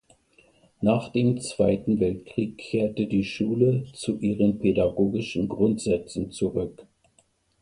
Nach dem Zweiten Weltkrieg kehrte die Schule zu ihren pädagogischen Grundsätzen zurück.